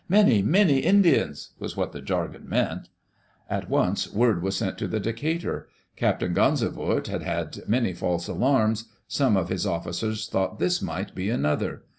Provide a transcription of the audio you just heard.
"Many, many Indians," was what the jargon meant. At once word was sent to the Decatur. Captain Ganzevoort had had many false alarms; some of his offi cers thought this might be another.